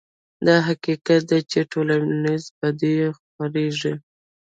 دا يو حقيقت دی چې ټولنيزې بدۍ خورېږي.